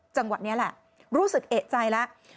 จังหวะนี้แหละรู้สึกเอกใจแล้ว